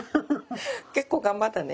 結構頑張ったね。